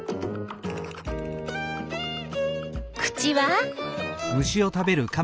口は？